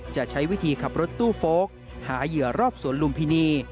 จะใช้วิธีขับรถตู้โฟลกหาเหยื่อรอบสวนลุมพินี